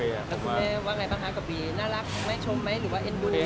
คุณแม่ว่าไงบ้างน่ารักไม่ชมไม่เอ็นดู